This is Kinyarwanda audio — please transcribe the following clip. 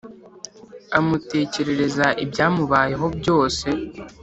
amutekerereza ibyamubayeho byose